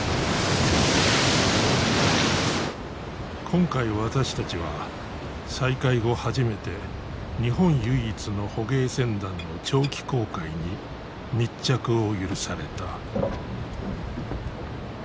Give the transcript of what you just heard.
今回私たちは再開後初めて日本唯一の捕鯨船団の長期航海に密着を許された。